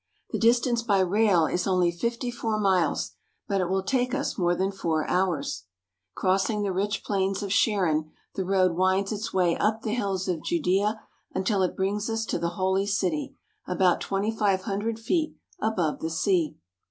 The distance by rail is only fifty four miles, but it will take us more than four hours. Crossing the rich plains of Sharon, the road winds its way up the hills of Judea until it brings us to the Holy City, about twenty five hundred feet above the sea.